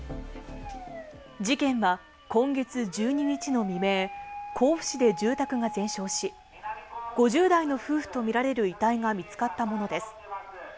事件は今月１２日の未明、甲府市で住宅が全焼し、５０代の夫婦とみられる遺体が見つかったものです。